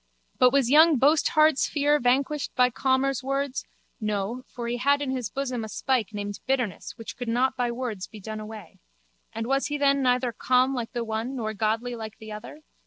But was young Boasthard's fear vanquished by Calmer's words? No, for he had in his bosom a spike named Bitterness which could not by words be done away. And was he then neither calm like the one nor godly like the other?